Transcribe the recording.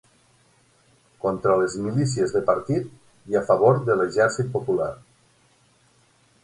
Contra les milícies de partit i a favor de l'Exèrcit Popular.